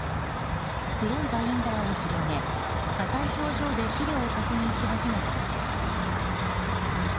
黒いバインダーを広げ硬い表情で資料を確認し始めたのです。